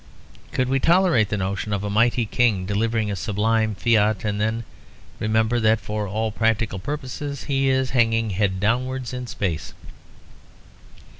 Could we tolerate the notion of a mighty King delivering a sublime fiat and then remember that for all practical purposes he is hanging head downwards in space?